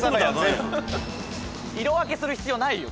色分けする必要ないよ